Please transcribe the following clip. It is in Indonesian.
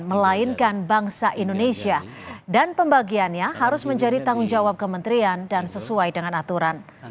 melainkan bangsa indonesia dan pembagiannya harus menjadi tanggung jawab kementerian dan sesuai dengan aturan